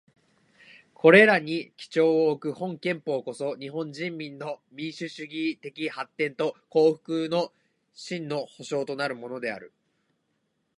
これらに基調をおく本憲法こそ、日本人民の民主主義的発展と幸福の真の保障となるものである。